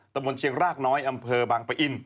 ตะบนเชียงรากน้อยอำเภอบางปะอิน